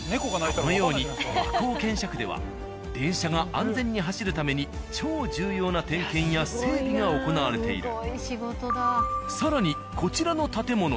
このように和光検車区では電車が安全に走るために超重要な点検や整備が行われている。